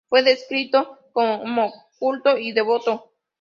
Fue descrito como culto y devoto.